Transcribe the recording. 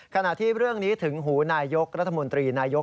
ขณะที่เรื่องนี้ถึงหูนายยกรัฐมนตรีนายก